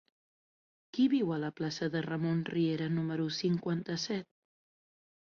Qui viu a la plaça de Ramon Riera número cinquanta-set?